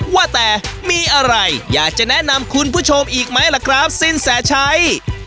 ว่าแต่มีอะไรอยากจะแนะนำคุณผู้ชมอีกไหมล่ะครับสินแสชัย